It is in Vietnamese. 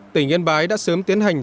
tỉnh yên bái đã sớm tiến hành